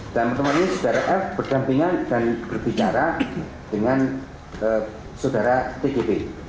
dan teman teman ini saudara f bergampingan dan berbicara dengan saudara tgb